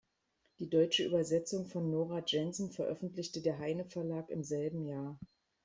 Die deutsche Übersetzung von Nora Jensen veröffentlichte der Heyne Verlag im selben Jahr.